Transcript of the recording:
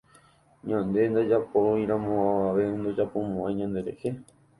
Ñande ndajajapóiramo avave ndojapomoʼãi ñanderehe.